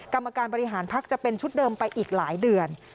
กรรมการบริหารพักจะเป็นชุดเดิมไปอีกหลายเดือน